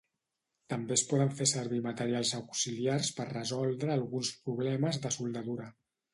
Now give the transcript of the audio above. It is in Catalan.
També es poden fer servir materials auxiliars per resoldre alguns problemes de soldadura.